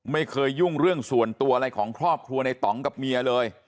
ไม่เคยยุ่งเรื่องส่วนตัวอะไรของครอบครัวในต่องกับเมียเลย